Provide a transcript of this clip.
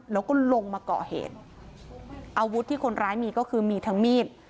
แล้วก็ลงมาเกาะเหตุอาวุธที่คนร้ายมีก็คือมีทั้งมีด